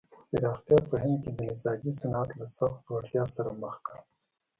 پراختیا په هند کې د نساجۍ صنعت له سخت ځوړتیا سره مخ کړ.